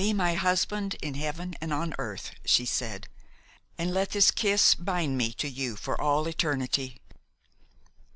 "Be my husband in heaven and on earth," she said, "and let this kiss bind me to you for all eternity!"